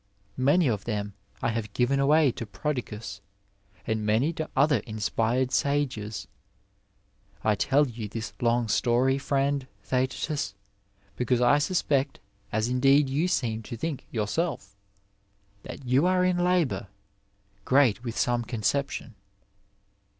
Many of them I have given away to Prodicus, and many to other inspired sages. I tell you this long story, friend The»tetuB, because I suspect, as indeed you seem to think yourself » that you are in labour— f^reat with some conception.